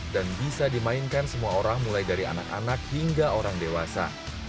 dan bisa dimainkan semua orang mulai dari anak anak hingga orang dewasa